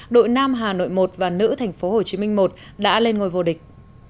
đội nam hà nội một và nữ thành phố hồ chí minh một đã lên ngôi vô địch